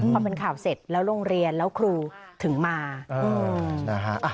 พอเป็นข่าวเสร็จแล้วโรงเรียนแล้วครูถึงมานะฮะ